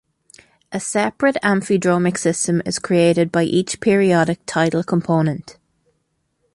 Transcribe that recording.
A separate amphidromic system is created by each periodic tidal component.